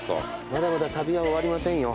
まだまだ旅は終わりませんよ。